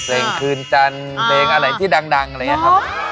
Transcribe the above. เพลงคืนจันทร์เพลงอะไรที่ดังอะไรอย่างนี้ครับ